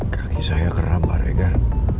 kaki saya kerap pak regar